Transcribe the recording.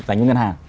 dành cho ngân hàng